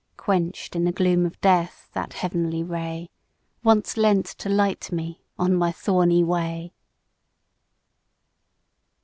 Quench'd in the gloom of death that heavenly ray Once lent to light me on my thorny way!